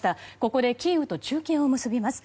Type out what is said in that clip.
ここでキーウと中継を結びます。